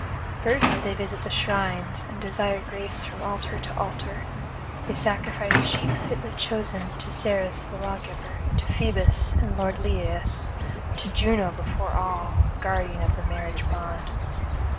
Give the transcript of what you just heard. [56 90]First they visit the shrines, and desire grace from altar to altar; they sacrifice sheep fitly chosen to Ceres the Lawgiver, to Phoebus and lord Lyaeus, to Juno before all, guardian of the marriage bond.